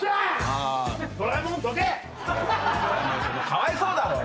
かわいそうだろ！